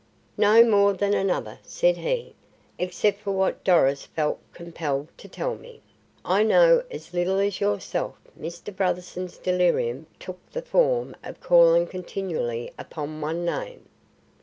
"No more than another," said he. "Except for what Doris felt compelled to tell me, I know as little as yourself. Mr. Brotherson's delirium took the form of calling continually upon one name.